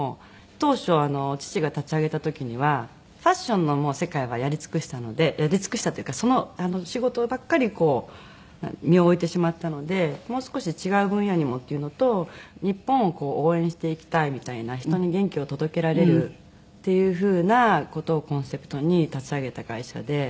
当初父が立ち上げた時にはファッションの世界はやり尽くしたのでやり尽くしたというかその仕事ばっかりこう身を置いてしまったのでもう少し違う分野にもっていうのと日本を応援していきたいみたいな人に元気を届けられるっていう風な事をコンセプトに立ち上げた会社で。